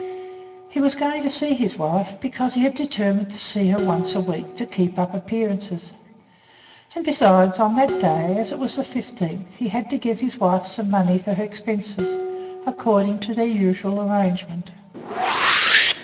He was going to see his wife, because he had determined to see her once a week to keep up appearances. And besides, on that day, as it was the fifteenth, he had to give his wife some money for her expenses, according to their usual arrangement.